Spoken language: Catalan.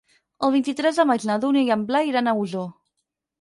El vint-i-tres de maig na Dúnia i en Blai iran a Osor.